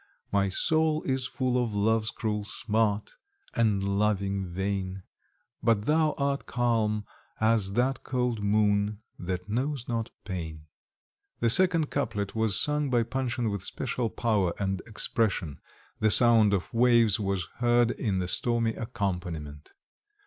My soul is full of love's cruel smart, And longing vain; But thou art calm, as that cold moon, That knows not pain. The second couplet was sung by Panshin with special power and expression, the sound of waves was heard in the stormy accompaniment.